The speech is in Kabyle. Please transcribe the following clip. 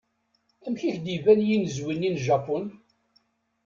Amek i k-d-iban yinezwi-nni n Japun?